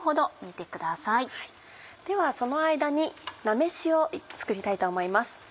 ではその間に菜めしを作りたいと思います。